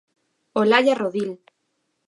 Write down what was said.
Olalla Rodil.